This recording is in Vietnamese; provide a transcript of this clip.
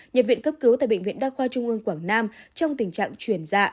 nhập viện cấp cứu tại bệnh viện đa khoa trung ương quảng nam trong tình trạng chuyển dạ